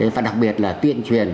và đặc biệt là tuyên truyền